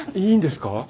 いいんですか？